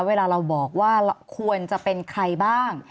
เวลาเราบอกว่าควรจะเป็นใครบ้าง